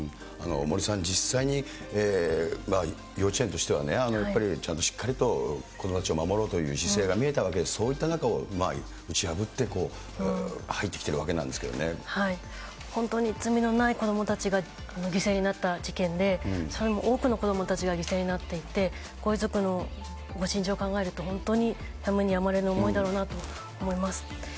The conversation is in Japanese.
森さん、実際に幼稚園としてはね、やっぱりちゃんとしっかりと、子どもたちを守ろうという姿勢が見えたわけで、そういった中を打ち破って、本当に罪のない子どもたちが犠牲になった事件で、それも多くの子どもたちが犠牲になっていて、ご遺族のご心情を考えると、本当にやむにやまれぬ思いだろうなと思います。